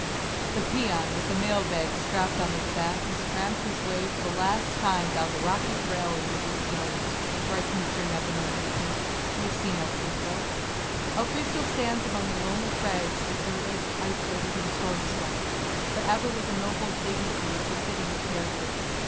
"The peon with a mail bag strapped on his back has tramped his way for the last time down the rocky trail in the winter snows," writes Mr. Nevin O. Winter, who has seen El Cristo. "El Cristo stands among the lonely crags deserted, isolated, and storm swept; but ever with a noble dignity befitting the character."